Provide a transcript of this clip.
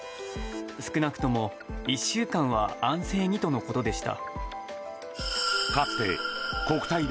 少なくとも１週間は安静にとのことでした。